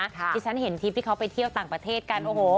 ที่ฉันเห็นทิพย์ที่เค้าไปเที่ยวต่างประเทศกัน